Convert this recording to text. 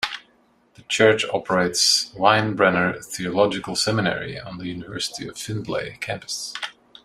The church operates Winebrenner Theological Seminary on the University of Findlay campus.